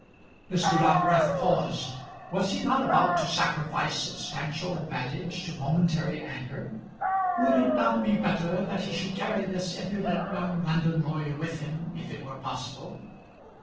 Mr. Dockwrath paused. Was he not about to sacrifice substantial advantage to momentary anger? Would it not be better that he should carry this impudent young London lawyer with him if it were possible?